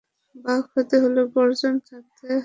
বাঘ হতে হলে গর্জন থাকতে হয়।